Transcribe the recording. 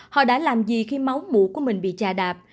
họ đã làm gì khi máu mụ của mình bị trà đạp